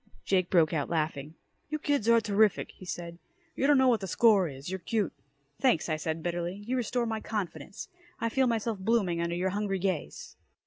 Jake broke out laughing. "You kids are terrific," he said. "You don't know what the score is. You're cute!" "Thanks," I said bitterly. "You restore my confidence. I feel myself blooming under your hungry gaze."